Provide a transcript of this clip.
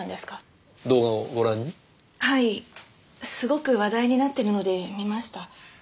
すごく話題になってるので見ました。